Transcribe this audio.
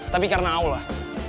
tapi karena allah